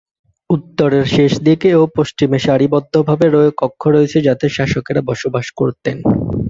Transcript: উত্তরের শেষদিকে ও পশ্চিমে সারিবদ্ধভাবে কক্ষ রয়েছে যাতে শাসকেরা বসবাস করতেন।